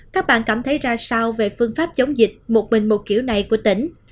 các bạn cảm thấy ra sao về phương pháp chống dịch một mình một kiểu này của tỉnh